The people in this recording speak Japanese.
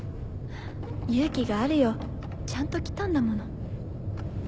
勇気があるよちゃんと来たんだもの。